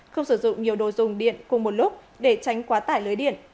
không sử dụng nhiều đồ dùng điện cùng một lúc để tránh quá tải lưới điện